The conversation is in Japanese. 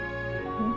うん。